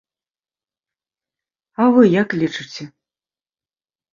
А вы як лічыце?